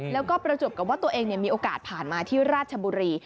แล้วก็ประจวบกับว่าตัวเองมีโอกาสผ่านมาที่ราชบุรี